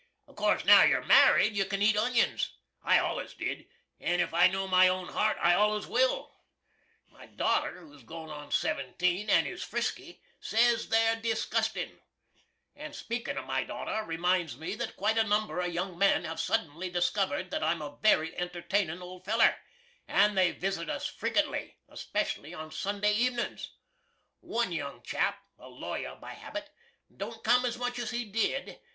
Of course now you're marrid you can eat onions. I allus did, and if I know my own hart, I allus will. My daughter, who is goin' on 17 and is frisky, says they's disgustin. And speaking of my daughter reminds me that quite a number of young men have suddenly discovered that I'm a very entertainin' old feller, and they visit us frekently, specially on Sunday evenins. One young chap a lawyer by habit don't cum as much as he did.